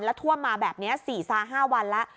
แล้วท่วมมาแบบนี้๔๕วันแล้ว